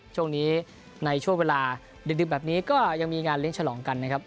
ช่วงนี้ในช่วงเวลาดึกแบบนี้ก็ยังมีงานเลี้ยงฉลองกันนะครับ